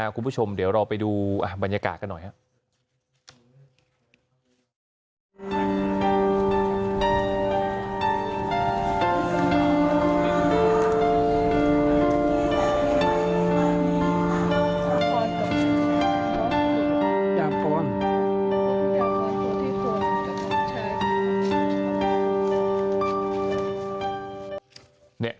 คุณผู้ชมเดี๋ยวเราไปดูบรรยากาศกันหน่อยครับ